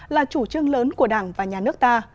là chủ trương lớn của đảng và nhà nước ta